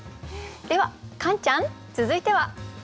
ではカンちゃん続いては。